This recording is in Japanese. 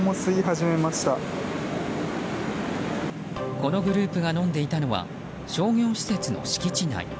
このグループが飲んでいたのは商業施設の敷地内。